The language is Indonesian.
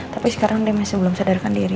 tapi sekarang dia masih belum sadarkan diri